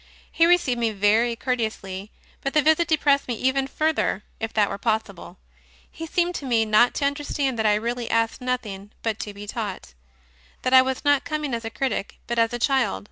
He received me very courteously, but the visit depressed me even fur ther, if that were possible. He seemed to me not to understand that I really asked nothing but to be taught; that I was not coming as a critic, but as a child.